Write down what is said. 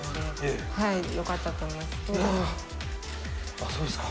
あっそうですか。